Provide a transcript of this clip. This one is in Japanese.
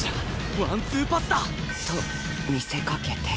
ワンツーパスだ！と見せかけて。